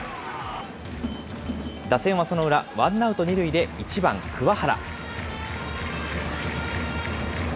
打線はその裏、ワンアウト２塁で１番桑原。